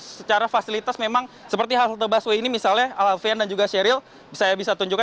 secara fasilitas memang seperti halte busway ini misalnya alfian dan juga sheryl saya bisa tunjukkan